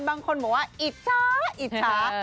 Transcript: บางคนบอกว่าอิจฉาอิจฉา